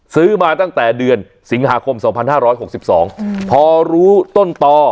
ซื้อมาตั้งแต่เดือนสิงหาคมสองพันห้าร้อยหกสิบสองพอรู้ต้นตอ